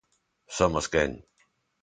Somos quen.